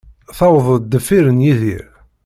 Tewweḍ-d deffir n Yidir.